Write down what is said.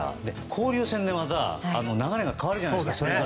交流戦でまた流れが変わるじゃないですか。